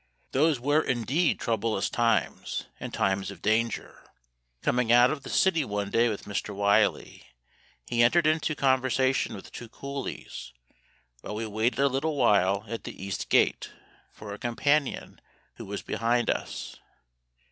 Those were indeed troublous times, and times of danger. Coming out of the city one day with Mr. Wylie, he entered into conversation with two coolies, while we waited a little while at the East Gate for a companion who was behind us.